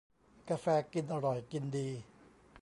กาแฟกินอร่อยกินดี